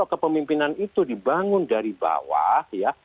kepemimpinan itu dibangun dari bawah ya